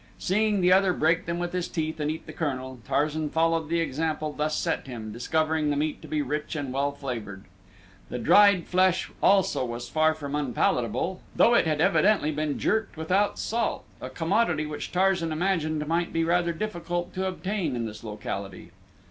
Seeing the other break them with his teeth and eat the kernel, Tarzan followed the example thus set him, discovering the meat to be rich and well flavored. The dried flesh also was far from unpalatable, though it had evidently been jerked without salt, a commodity which Tarzan imagined might be rather difficult to obtain in this locality.